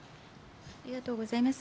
ありがとうございます。